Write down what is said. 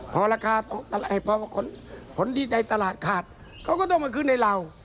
พอราคาพอผลดีใจตลาดขาดเขาก็ต้องมาขึ้นให้เรา